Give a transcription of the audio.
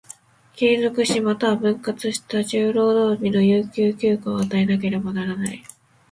継続し、又は分割した十労働日の有給休暇を与えなければならない。